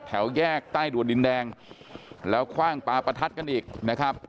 แถวแยกใต้ด่วนดินแดงแล้วคว่างปลาประทัดกันอีกนะครับ